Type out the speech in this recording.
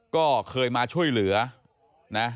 ก็เคยมาช่วยเหลือนะ